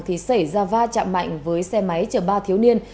thì xảy ra va chạm mạnh với xe máy chở ba thiếu niên